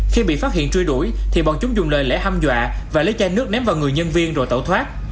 khi bị phát hiện truy đuổi thì bọn chúng dùng lời lẽ hâm dọa và lấy chai nước ném vào người nhân viên rồi tẩu thoát